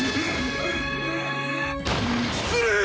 失礼！